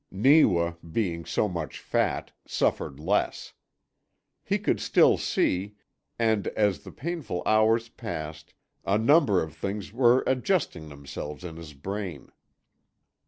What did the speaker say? Neewa, being so much fat, suffered less. He could still see, and, as the painful hours passed, a number of things were adjusting themselves in his brain.